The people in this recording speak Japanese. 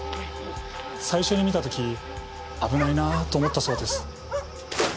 最初に見た時危ないなぁと思ったそうです。